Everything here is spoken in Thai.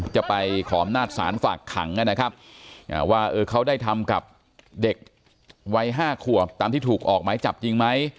จะไปขออำนาจศาลฝากขังนะครับว่าเขาได้ทำกับเด็กวัย๕ขวบตามที่ถูกออกหมายจับจริงไหม